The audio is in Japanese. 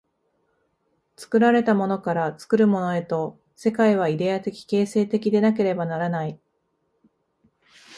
作られたものから作るものへと、世界はイデヤ的形成的でなければならない。